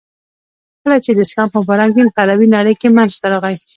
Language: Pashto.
،کله چی د اسلام مبارک دین په عربی نړی کی منځته راغی.